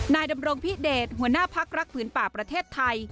นายดำรงพิเดชหัวหน้าพักรักผืนป่าประเทศไทย